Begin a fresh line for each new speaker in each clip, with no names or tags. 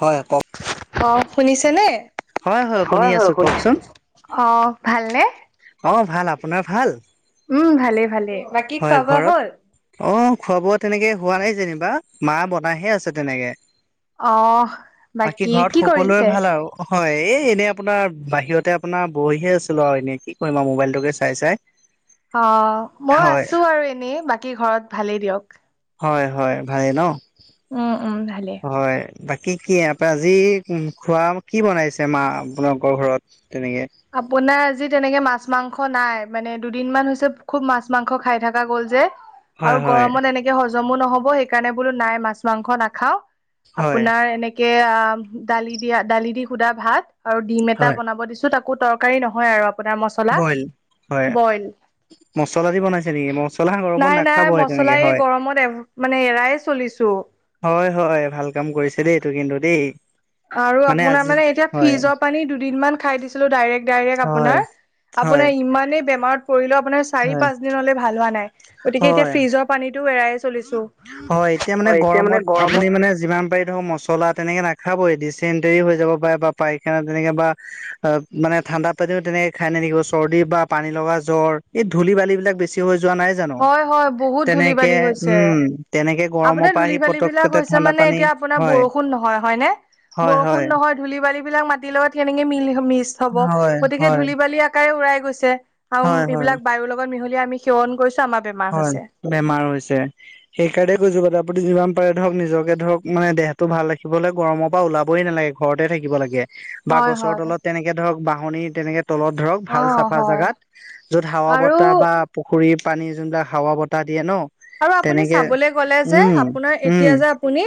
হয়। কওক?
অ, শুনিছে নে?
হয় হয় শুনি আছো কওকচোন
অ, ভালনে?
অঁ, ভাল আপোনাৰ ভাল।
উম, ভালে-ভালে।
হয় ঘৰত অ, খোৱা বোৱা তেনেকে হোৱা নাই যেনিবা মা বনাইাহে আছে তেনেকে।
অ
বাকী ঘৰত
কি
সকলো
কৰিছে?
ভাল আৰু। হয় এই এনেই আপোনাৰ বাহিৰতে আপোনাৰ বহিহে আছিলো আৰু এনেই কি কৰিম আৰু মোবাইলটোকে চাই-চাই,
অ, ময়ো আছো আৰু এনেই বাকী ঘৰত ভালেই দিয়ক।
হয়-হয় ভালে ন?
উম, উম, ভালেই।
হয়, বাকী কি আ আজি খোৱা কি বনাইছে মা আপোনালোকৰ ঘৰত? তেনেকে
আপোনাৰ আজি তেনেকে মাছ মাংস নাই, মানে দুদিন মান হৈছে খুব মাছ মাংস খাই থকা গ'ল যে।
হয়
আৰু
হয়
গৰমত এনেকে হজমো নহব সেইকাৰণে বোলো নাই মাছ মাংস নাখাও।
হয়
আপোনাৰ এনেকে আহ দালি দিয়া দালি দি সুধা ভাত। আৰু ডিম এটা
হয়
বনাব দিছো, তাকো তৰকাৰী নহয় আৰু আপোনাৰ মছলা
বইল হয়
বইল।
মছলা দি বনাইছে নেকি? মছলা গৰমত
নাই নাই
নাখাব
মছলা
তেনেকে হয়।
[unintelligible] মানে এৰাই চলিছো।
হয়, হয়। ভাল কাম কৰিছে দেই, এইটো কিন্তু দেই।
আৰু আপোনাৰ
আজি
মানে এতিয়া
হয়
ফিজৰ পানী দুদিনমান খাই দিছিলোঁ, ডাইৰেক্ট-ডাইৰেক্ট
হয়
আপোনাৰ।
হয়
আপোনাৰ ইমানেই বেমাৰত পৰিলে আপোনাৰ চাৰি
হয়
পাঁচ দিনলে ভাল হোৱা নাই, গতিকে এতিয়া
হয়
ফ্ৰিজৰ পানীটোও এৰাই চলিছো।
হয় এতিয়া মানে গৰমত আপুনি মানে যিমান পাৰে ধৰক মচলা মচলা তেনেকে নাখাবয়ে ডিচেণ্টৰী হৈ যাব পাৰে বা পায়খানা তেনেকে বা অহ, মানে ঠাণ্ডা পানীও তেনেকে খাই নেথাকিব চৰ্দি বা পানী লগা জ্বৰ এই ধূলি-বালিববিলাক বেছি হৈ যোৱা নাই জানো
হয়, হয়। বহুত
তেনেকে
ধূলি-বালি হৈছে।
উম তেনেকে গৰমৰ
আপোনাৰ
পৰা আহি
ধূলি-বালিবিলাক
পতককেতে
হৈছে
ঠাণ্ডা
মানে
পানী
এতিয়া আপোনাৰ
হয়
বৰষুণ নহয় হয়নে?
হয়
বৰষুণ
হয়
নহয় ধূলি-বালিবিলাক মাটিৰ লগত কেনেকে মিস্ক হ'ব
হয়
গতিকে
হয়
ধূলি-বালি কাৰে উৰাই গৈছে আৰু
হয় হয়
এইবিলাক বায়ুৰ লগত মিহলি আমি সেৱন কৰিছোঁ আমাৰ বেমাৰ
হয়,
হৈছে।
বেমাৰ হৈছে। সেইকাৰণে কৈছো আপুনি যিমান পাৰে ধৰক নিজকে ধৰক মানে দেহতো ভাল ৰাখিব হ'লে গৰমৰ পৰা ওলাবই নালাগে। ঘৰতে থাকিব লাগে বা
হয়
গছৰ
হয়
তলত তেনেকে ধৰক বাহনি তেনেকে তলত ধৰক ভাল
অ'
চাফা
হয়
জাগাত, যত হাৱা
আৰু
বতাহ বা পুখৰী পানী যোনবিলাক হাৱা বতাহ দিয়ে ন'।
আৰু আপুনি
তেনেকে
চাবলৈ গ'লে যে
উম
আপোনাৰ
উম
এতিয়া যে আপুনি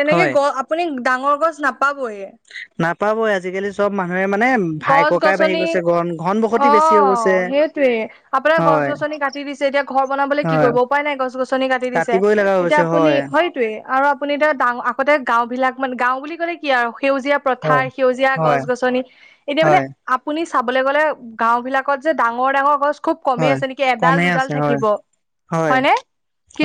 তেনেকে
হয়
গ আপুনি ডাঙৰ গছ নাপাবয়ে।
নাপাবই আজিকালি চ'ব মানুহে মানে
গছ
ভাই-ককাই বাঢ়ি
গছনি
গৈছে, ঘন-ঘন বসতি
অ
বেছি হৈ গৈছে।
সেইটোৱে আপোনাৰ
হয়
গছ-গছনি কাটি দিছে এতিয়া ঘৰ বনাবলৈ কি
হয়
কৰিব। উপায় নাই গছ-গছনি কাটি দিছে।
কাটিবই লগা
এতিয়া
হৈছে
আপুনি হয় সেইটোৱে আৰু আপুনি এতিয়া ডাঙৰ আগতে গাওঁবিলাক মানে, গাওঁ বুলি ক'লে কি আৰু সেউজীয়া
হয়
পথাৰ সেউজীয়া
হয়
গছ-গছনি এতিয়া মানে
হয়
আপুনি চাবলৈ গ'লে গাওঁবিলাকত যে ডাঙৰ-ডাঙৰ গছ খুব কমে
হয়
আছে নেকি,
কমেই
এডাল-দুডাল
আছে হয়
থাকিব
হয়
হয়নে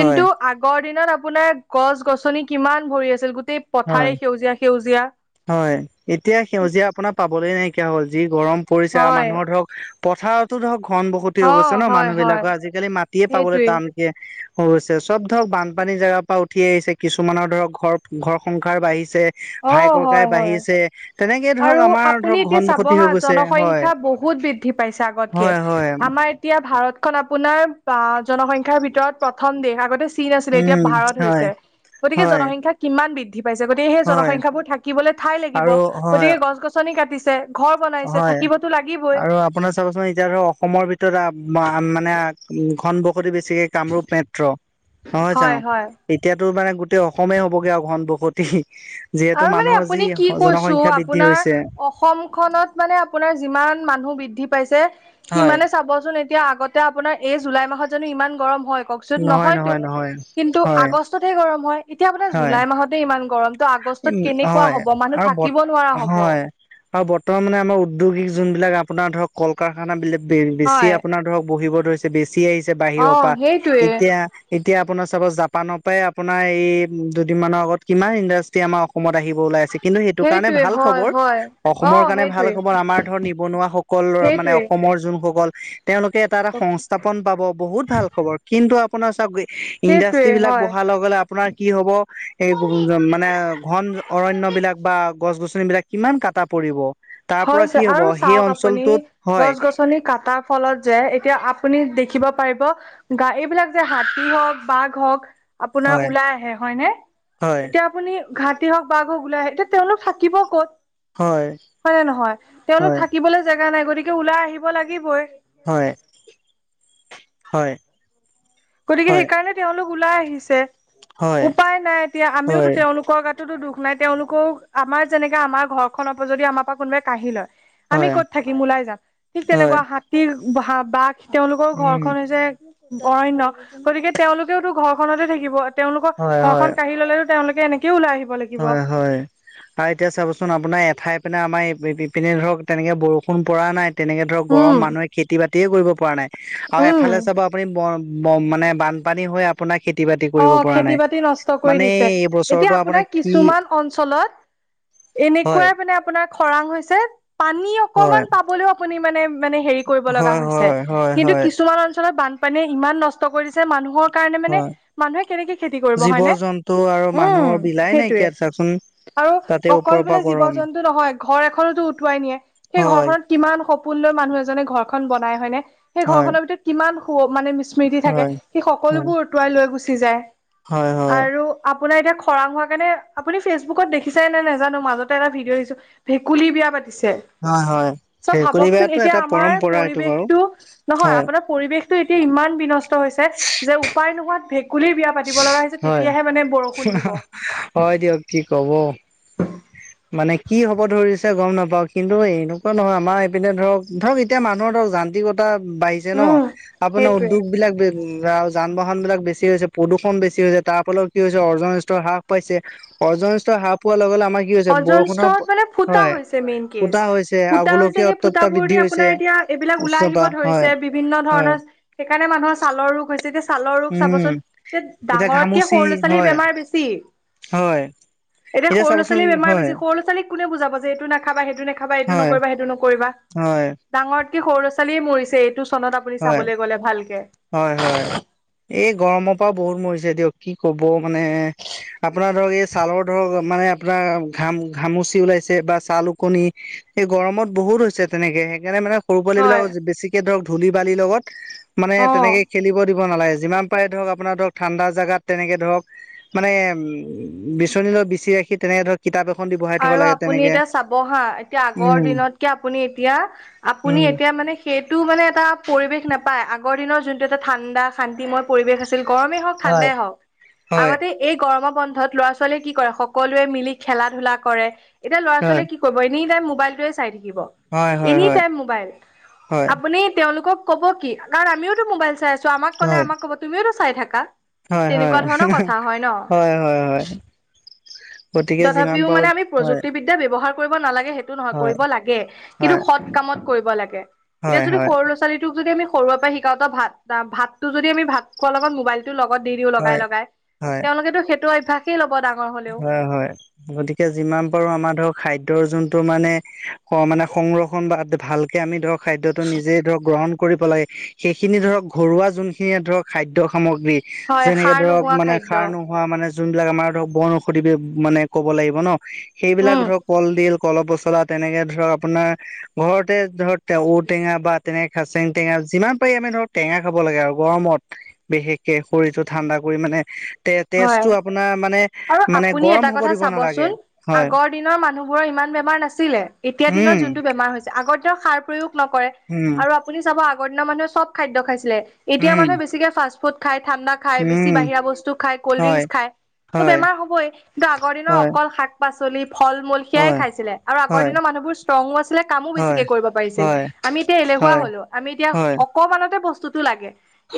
হয়
আগৰ দিনত আপোনাৰ গছ-গছনি কিমান ভৰি আছিল। গোটেই
হয়
পথাৰে সেউজীয়া-সেউজীয়া।
হয়। এতিয়া সেউজীয়া আপোনাৰ পাবলৈ নাইকিয়া হ'ল, যি গৰম পৰিছে
হয়
মানুহৰ ধৰক পথাৰতো ধৰক ঘন বসতি হৈ
অ
গৈছে ন'।
হয় হয়
মানুহবিলাকৰ আজিকালি মাটিয়ে পাবলৈ
সেইটোৱে
টান। হৈ গৈছে চ'ব ধৰক বানপানী জেগাৰ পৰা উঠি আহিছে। কিছুমানৰ ধৰক ঘৰ-ঘৰ সংসাৰ বাঢ়িছে। ভাই
অহ',
ককাই
হয়, হয়।
বাঢ়িছে তেনেকে ধৰক
আৰু
আমাৰ
আপুনি
ধৰক
এতিয়া
ঘন
চাব
বসতি হৈ
হা
গৈছে হয়
জনসংখ্যা বহুত বৃদ্ধি পাইছে আগতকে।
হয় হয়
আমাৰ এতিয়া ভাৰতখনন আপোনাৰ বা জনসংখ্যাৰ ভিতৰত প্ৰথম দেশ। আগতে চীন আছিলে এতিয়া
উম
ভাৰত
হয়
হৈছে। গতিকে
হয়
জনসংখ্যা কিমান বৃদ্ধি পাইছে। গতিকে সেই
হয়
জনসংখ্যাবোৰ থাকিবলৈ ঠাই লাগিব।
আৰু হয়
গছ-গছনি কাটিছে, ঘৰ বনাইছে
হয়
থাকিবতো লাগিবই।
আৰু আপোনাৰ চাবচোন, এতিয়া ধৰক অসমৰ ভিতৰত মানে ঘন বসতি বেছিকে কামৰূপ মেট্ৰ। নহয়
হয়
জানোঁ,
হয়
এতিয়াতো মানে গোটেই অসমেই হবগৈ আৰু ঘন বসতি। যিহেতু
আৰু মানে
মানুহৰ যি
আপুনি
জনসংখ্যা বৃদ্ধি হৈছে।
অসম খনত মানে আপোনাৰ যিমান মানুহ বৃদ্ধি পাইছে,
হয়
সিমানে চাবচোন এতিয়া আগতে আপোনাৰ এই জুলাই মাহত জানোঁ ইমান গৰম হয় কওকচোন।
নহয়
নহয়তো,
নহয় নহয়
কিন্তু আ
হয়
আগহে গৰম হয়। এতিয়া মানে
হয়
জুলাই মাহতে ইমান গৰমটো আগ
উম,
কেনেকুৱা
হয়
হ'ব মানুহ
আৰু বত
থাকিব নোৱাৰা হ'ব।
হয়। আৰু বৰ্তমান আমাৰ উদ্যোগিক যোনবিলাক আপোনাৰ ধৰক কল-কাৰখানাবিলকেই বেছি
হয়।
আপোনাৰ ধৰক বহিব ধৰিছে। বেছি আহিছে
অ
বাহিৰৰ পৰা
সেইটোৱে
এতিয়া এতিয়া আপোনাৰ চাব, জাপানৰ পৰাই আপোনাৰ এই দুদিনমানৰ আগত, কিমান ইণ্ডাষ্ট্ৰি আমাৰ অসমত আহিব ওলাই আছে। কিন্তু সেইটো কাৰণে
সেইটোৱে
ভাল
হয়
খবৰ।
হয় অ
অসমৰ কাৰণে ভাল
সেইটোৱে
খবৰ, আমাৰ ধৰ নিবনুৱাসকল মানে
সেইটোৱে
অসমৰ যোনসকল। তেওঁলোকে এটা এটা সংস্থাপন পাব। বহুত ভাল খবৰ, কিন্তু আপোনাৰ চাওঁক
সেইটোৱে
ইণ্ডাষ্ট্ৰ্ৰী বিলাক
হয়
বহাৰ লগে লগে আপোনাৰ কি হ'ব। এ মানে ঘন অৰণ্য বিলাক বা গছ-গছনিবিলাক কিমান কাটা পৰিব। তাৰ
হয়,
পৰা
হৈছে।
কি হব
আৰু
সেই
চাওঁক আপুনি,
অঞ্চলটোত হয়
গছ-গছনি কটাৰ, ফলত যে, এতিয়া আপুনি দেখিব পাৰিব। গাড়ী, এইবিলাক যে হাতী হওঁক, বাঘ হওঁক আপোনাৰ
হয়
ওলাই আহে হয়নে,
হয়
এতিয়া আপুনি হাতী হওঁক, বাঘ হওঁক ওলাই আহে, এতিয়া তেওঁলোক থাকিব ক'ত।
হয়।
হয়নে নহয়, তেওঁলোক
হয়
থাকিবলৈ জেগা নাই। গতিকে ওলাই আহিব লাগিবই।
হয়, হয়।
গতিকে,
হয়
সেইকাৰণে তেওঁলোক ওলাই আহিছে।
হয়
উপায় নাই এতিয়া আমিওতো
হয়
তেওঁলোকৰ, সিহঁতৰ দুখ নাই, তেওঁলোকেও আমাৰ যেনেকে আমাৰ ঘৰখনৰ পৰা যদি আমাৰ পৰা কোনোবাই কাঢ়ি লয়। আমি
হয়
ক'ত থাকিম। ওলাই যাম, ঠিক
হয়
তেনেকুৱা হাতীৰ, বাঘ তেওঁলোকৰ
উম
ঘৰখন হৈছে, অৰণ্য, গতিকে তেওঁলোকেওতো ঘৰখনতে থাকিব। তেওঁলোকৰ
হয়
ঘৰখন
হয়
কাঢ়ি ল'লে, তেওঁলোকেতো এনেকৈয়ে ওলাই আহিব লাগিব।
হয় হয়। আৰু এতিয়া চাবচোন আপোনাৰ, এঠাই পিনে আমাৰ ইপিনে ধৰক তেনেকে বৰষুণ পৰা নাই। তেনেকে ধৰক গৰম,
উম
মানুহে খেতি বাতিয়ে কৰিব পৰা নাই আৰু
উম।
এফালে চাব আপুনি মানে বানপানী হৈ আপোনাৰ খেতি বাতি
অ
কৰিব পৰা
খেতি
নাই।
বাতি নষ্ট কৰি
মানে
দিছে
এই
এতিয়া
বছৰটো আপোনাক
আপোনাৰ কিছুমান অঞ্চলত
হয়।
এনেকুৱাই মানে আপোনাৰ খৰাং হৈছে। পানী
হয়,
অকমান পাবলৈ আপুনি মানে, মানে হেৰি কৰিব লগা
হয়,
হৈছে
হয়, হয়,
কিন্তু
হয়,
কিছুমান অঞ্চলত ব মানে ইমান নষ্ট কৰি দিছে, মানুহৰ কাৰণে মানে
হয়।
মানুহে কেনেকে খেতি কৰিব হয়নে,
জীৱ-জন্তু আৰু
উম্
মানুহৰ বিলাই
সেইটোয়ে।
নাইকিয়া চাচোন
আৰু
তাতে
অকল
ওপৰৰ পৰা
বোলে
গৰম।
জীৱ-জন্তু নহয়, ঘৰ এখনোতো উটুৱাই নিয়ে। সেই
হয়,
ঘৰখনত কিমান সপোন লৈ মানুহ এজনে ঘৰখন বনাই হয়নে। সেই
হয়,
ঘৰখনৰ ভিতৰত কিমান সু মানে স্মৃতি থাকে।
হয়,
সেই
হয়,
সকলোবোৰ উটুৱাই লৈ গুচি যায়
হয়, হয়,
আৰু। আপোনাৰ এতিয়া খৰাং হোৱাৰ কাৰণে, আপুনি ফেচবুকত দেখিছেনে নাই নাজানোঁ। মাজতে এটা ভিডিঅ' দিছোঁ ভেকুলী বিয়া পাতিছে।
হয়, হয়।
চ'
ভেকুলী
ভাবকচোন,
বিয়াটো
এতিয়া
এটা
আমাৰ
পৰম্পৰা এইটো বাৰু
পৰিৱেশটো নহয়।
হয়,
আপোনাৰ পৰিৱেশটো এতিয়া ইমান বিনষ্ট হৈছে যে, উপাই নোহোৱাত ভেকুলীৰ বিয়া। পাতিব লগা হৈছে,
হয়,
তেতিয়াহে মানে বৰষুণ দিব।
হয় দিয়ক, কি ক'ব? মানে কি হ'ব ধৰিছে, গম নাপাওঁ কিন্তু এনেকুৱা নহয়, আমাৰ এইপিনে ধৰক ধৰক এতিয়া মানুহৰ ধৰক যান্ত্ৰিকতা বাঢ়িছে ন।
উম
আপোনাৰ
সেইটোৱে
উদ্যোগ বিলাক, বে আৰু যান বাহন বিলাক বেছি হৈছে। প্ৰদূষণ বেছি হৈছে, তাৰ ফলত কি হৈছে অৰ্জন ষ্টৰ হ্ৰাস পাইছে, অৰ্জন ষ্টৰ হ্ৰাস পোৱাৰ লগে লগে আমাক
অৰ্জন ষ্টৰ মানে ফুটা হৈছে, মেইন
ফুটা
কেচ
হৈছে আৰু
ফুটা হৈছে।
গোলকীয়
সেই
উত্তপ্তা
ফুটাবোৰ
বৃদ্ধি
দি
হৈছে
আপোনাৰ এতিয়া এইবিলাক ওলাই
উষ্ণতা
আহিব
হয়
ধৰিছে বিভিন্ন
হয়
ধৰণৰ। সেইকাৰণে মানুহৰ ছালৰ ৰোগ হৈছে এতিয়া। ছালৰ ৰোগ
উম
চাবচোন, এ
এতিয়া
ডাঙৰতকে
ঘামুচি
সৰু ল'ৰা-ছোৱালীৰ
হয়
বেমাৰ বেছি।
হয়
এতিয়া সৰু
চাবচোন
ল'ৰা-ছোৱালীৰ বেমাৰ
হয়
বেছি। সৰু ল'ৰা-ছোৱালীক কোনে বুজাব, যে এইটো নাখাবা, সেইটো নাখাবা, এইটো
হয়
নকৰিবা, সেইটো নকৰিবা।
হয়
ডাঙৰতক সৰু ল'ৰা-ছোৱালীয়ে মৰিছে, এইটো চনত আপুনি
হয়
চাবলৈ গ'লে ভালকে।
হয় হয় এই গৰমৰ পৰা বহুত মৰিছে দিয়ক, কি কব মানে। আপোনাৰ ধৰক এই ছালৰ ধৰক, মানে আপোনাৰ ঘাম ঘামুচি ওলাইছে বা ছাল ওকনি। এই গৰমত বহুত হৈছে তেনেকে সেইকাৰণে মানে সৰু পোৱালিববিলাক
হয়
বেছিকে ধৰক ধূলি-বালিৰ লগত মানে
অ
তেনেকে খেলিব দিব দিব নালাগে যিমান পাৰে ধৰক আপোনাৰ ধৰক ঠাণ্ডা জাগাত তেনেকে ধৰক মানে উম, বিচনীৰ লগত বিচি ৰাখি তেনেকে ধৰক কিতাপ এখন দিব
আৰু আপুনি এতিয়া চাব হা এতিয়া আগৰ
উম
দিনতকে আপুনি এতিয়া, আপুনি
উম
এতিয়া মানে সেইটো মানে এটা পৰিৱেশ নাপায়, আগৰ দিনৰ যোনটো এটা ঠাণ্ডা শান্তিময় পৰিৱেশ আছিল গৰমেই হওঁক
হয়
ঠাণ্ডাই হওঁক
হয়
আগতে এই গৰমৰ বন্ধত ল'ৰা-ছোৱালীয়ে কি কৰে সকলোৱে মিলি খেলা-ধূলা কৰে, এতিয়া
হয়
ল'ৰা-ছোৱালীয়ে কি কৰিব এনি টাইম মোবাইতোৱে চাই থাকিব।
হয় হয়
এনি
হয়
টাইম মবাইল
হয়
আপুনি তেওঁলোকক ক'ব কি। কাৰণ আমিওতো মোবাইল চাই আছোঁ। আমাক ক'লে
হয়
আমাক ক'ব তুমিওটো চাই থাকা,
হয়
তেনেকুৱা ধৰণৰ কথা হয় ন'।
হয়, হয়, হয়। গতিকে যিমান
তথাপিও
পাৰো
মানে আমি
হয়
প্ৰযুক্তিবিদ্যা এতিয়া ব্যৱহাৰ কৰিব নালাগে সেইটো নহয়,
হয়
কৰিব লাগে কিন্তু
হয়
সৎ কামত কৰিব লাগে। এতিয়া
হয়
যদি
হয়
সৰু ল'ৰা-ছোৱালীটোক যদি আমি সৰুৰে পৰা শিকাওঁ, ভাত-ভাতটো যদি আমি ভাত খোৱাৰ লগত মোবাইল লগত দি দিওঁ
হয়
লগাই-লগাই,
হয়
তেওঁলোকেতো সেইটো অভ্যয়াসে ল'ব ডাঙৰ হ'লেও।
অহ, হয়। গতিকে যিমান পাৰোঁ আমাৰ ধৰক খাদ্যৰ যোনটো মানে অহ, মানে সংৰক্ষণ বা ভালকে আমি ধৰক খাদ্যটো নিজে ধৰক গ্ৰহণ কৰি পেলাই, সেইখিনি ধৰক ঘৰুৱা যোনখিনিয়ে ধৰক খাদ্য সামগ্ৰী
হয়
যেনেকে
সাৰ
ধৰক
নোহোৱা
মানে
খাদ্য
খাৰ নোহোৱা, মানে যোনবিলাক আমাৰ ধৰক বনঔষধি মানে ক'ব লাগিব ন' সেইবিলাক
উম
ধৰক কলডিল কল পচলা তেনেকে ধৰক আপোনাৰ ঘৰতে ধৰক ঔটেঙা বা তেনেকে খাচেং টেঙা যিমান পাৰি আমি ধৰক টেঙা খাব লাগে আৰু গৰমত। বিশেষকে শৰীৰটো ঠাণ্ডা কৰি মানে
হয়
তে-তেজটো আপোনাৰ মানে
আৰু
মানে
আপুনি
গৰম
এটা
হ'ব
কথা
দিব নালাগে
চাবচোন।
হয়
আগৰ দিনৰ মানুহবোৰৰ ইমান বেমাৰ নাছিলে, এতিয়া
উম
দিনৰত যোনটো বেমাৰ হৈছিল। আগৰ দিনৰ সাৰ প্ৰয়োগ নকৰে
উম
আৰু আপুনি চাব আগৰ দিনৰ মানুহে চব খাদ্য খাইছিলে। এতিয়া
উম
মানুহে বেছিকে ফাষ্ট ফুড খায়, ঠাণ্ডা খায়, বেছি
উম
বাহিৰা বস্তু খায়, কল্ড
হয়
ড্ৰিংক খায়। ত'
হয়
বেমাৰ হ'বই কিন্তু আগৰ দিনৰ
হয়
অকল শাক-পাচলি ফল-মূল সেয়াই
হয়
খাইছিলে আৰু আগৰ
হয়
দিনৰ মানুহবোৰ ষ্ট্ৰংয়ো আছিলে কামো
হয়
বেছিকে কৰিব পাৰিছিল।
হয়
আমি এতিয়া এলেহুৱা
হয়
হলোঁ, আমি এতিয়া
হয়
অকণমানতে বস্তুতটো লাগে,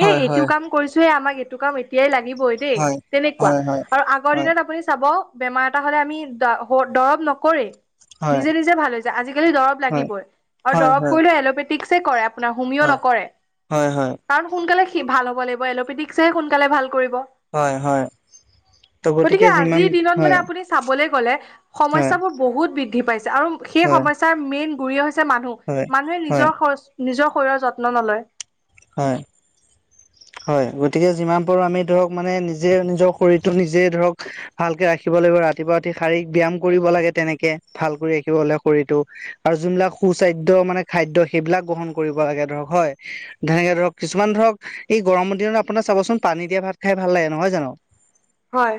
এই
হয়
এইটো কাম কৰিছোয়ে আমাক এইটো কাম এতিয়াই লাগিব। দেই
হয়
তেনেকুৱা
হয় হয়
আৰু আগৰ দিনত আপুনি চাব। বেমাৰ এটা হ'লে আমি দা-দৰৱ নকৰেই।
হয়
নিজে-নিজে ভাল হৈ যায়। আজিকালি দৰব
হয়
লাগিবই আৰু
হয় হয় হয়
দৰব
হয়
কৰিলেও এল'পেটিকে কৰে। আপোনাৰ হুমিও নকৰে,
হয় হয় হয়
কাৰণ সোনকালে সি ভাল হ'ব লাগিব, এল'পেথিকহে সোনকালে ভাল কৰিব।
হয়, হয়। ত'
গতিকে
যিমান
আজিৰ দিনত মানে
হয়
আপুনি চাবলৈ গলে
হয়
সমস্যাবোৰ বহুত বৃদ্ধি পাইছে আৰু সেই
হয়
সমস্যাৰ মেইন গুৰি হৈছে মানুহ।
হয়
মানুহে
হয়
নিজৰ শৰীৰ, নিজৰ শৰীৰৰ যত্ন নলয়।
হয়। হয় গতিকে যিমান পাৰোঁ আমি ধৰক মানে নিজে নিজৰ শৰীৰটো নিজে ধৰক ভালকে ৰাখিব লাগিব ৰাতিপুৱা ৰাতি শাৰীৰিক ব্যায়াম কৰিব লাগে, তেনেকে ভাল কৰি ৰাখিব হ'লে শৰীৰটো। আৰু যোনবিলাক সু-স্বাস্থ্য মানে খাদ্য সেইবিলাক গ্ৰহণ কৰিব লাগে ধৰক হয়। তেনেকে ধৰক, কিছুমান ধৰক এই গৰমৰ দিনত আপোনাৰ চাবচোন, পানী দিয়া ভাত খাই ভাল লাগে নহয় জানোঁ।
হয়।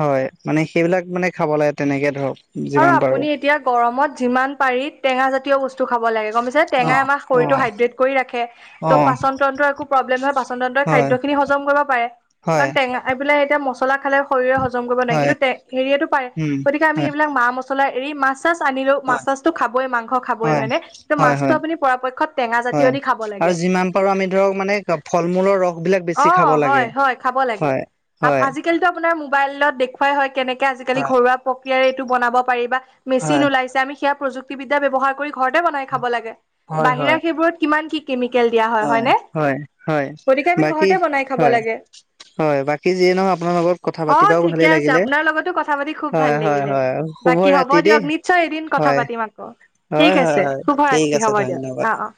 হয়, মানে সেইবিলাক মানে খাব লাগে তেনেকে ধৰক।
আৰু
যিমান পাৰো
আপুনি এতিয়া গৰমত যিমান পাৰি টেঙা জাতীয় বস্তু খাব লাগে। গম পাইছেনে?
অ
টেঙাই আমাক
অ
শৰীৰটো হাইড্ৰেট কৰি ৰাখে।
অ
ত' পাচন তন্ত্ৰৰ একো প্ৰব্লেম নহয়, পাচন তন্ত্ৰই
হয়
খাদ্যখিনি হজম কৰিব পাৰে
হয়
কাৰণ এই বিলাক এতিয়া মছলা খালে, শৰীৰে হজম কৰিব নোৱাৰে
হয়
কিন্তু হেয়ো পাৰে
উম
গতিকে আমি।
হয়
এইবিলাক মা মছলা এৰি, মাছ চাছ আনিলেও মাছ
হয়
চাছটো খাবই, মাংস খাবই
হয়
হয়নে। ত
হয় হয়
মাছটো আপুনি পৰাপক্ষত টেঙা জাতীয়
হয়
দি খাব
আৰু
লাগে।
যিমান আমি ধৰক মানে ফল মূলৰ ৰস বিলাক বেছি খাব
অ',
লাগে
হয় হয়, খাব লাগে।
হয়
আ আজি
হয়
আজিকালিতো আপোনাৰ মোবাইলত দেখুৱাই হয়, কেনেকে আজিকালি
হয়
ঘৰুৱা প্ৰক্ৰিয়াৰে এইটো বনাব পাৰি বা। মেচিন
হয়
ওলাইছে, আমি সেয়া প্ৰযুক্তিবিদ্যা ব্যৱহাৰ কৰি। ঘৰতে বনাই খাব লাগে, বাহিৰা
হয়
সেইবোৰত কিমান কি? কেমিকেল দিয়া
হয়,
হয়নে?
হয়, হয়।
গতিকে আমি
বাকী
ঘৰতে বনাই খাব
হয়
লাগে।
হয় বাকী যিয়ে নহয় আপোনাৰ লগত কথা পাতি
অ',
বাৰু
ঠিকে
ভালেই
আছে।
লাগিলে
আপোনাৰ লগতো কথা পাতি খুব ভাল
হয় হয়
লাগিলে।
হয় শুভ
বাকী হ'ব
ৰাতি দেই
দিয়ক। নিশ্চয় এদিন কথা
হয়
পাতিম আকৌ। ঠিক
হয় হয়
আছে,
হয়
শুভ
ঠিক
ৰাত্ৰি।
আছে
হ'ব দিয়ক
ধন্যবাদ
অ' অ'।